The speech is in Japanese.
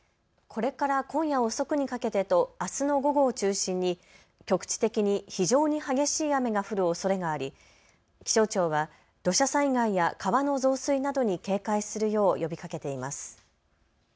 これから今夜遅くにかけてとあすの午後を中心に局地的に非常に激しい雨が降るおそれがあり気象庁は土砂災害や川の増水などに警戒するよう呼びかけています。